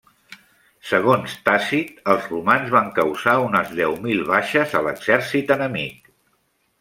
Segons Tàcit, els romans van causar unes deu mil baixes a l'exèrcit enemic.